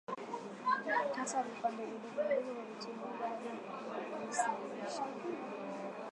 Kata vipande vidogo vidogo vya vitunguu baada ya kuvisafisha